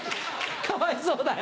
かわいそうだよ。